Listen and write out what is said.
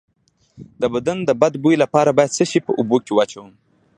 د بدن د بد بوی لپاره باید څه شی په اوبو کې واچوم؟